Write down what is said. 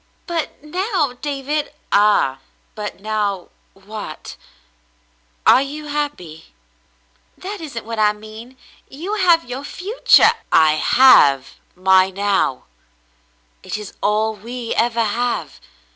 "Butnow, David— " "Ah, but now — what ? Are you happy ?" "That isn't what I mean. You have your future —" "I have my now. It is all we ever have.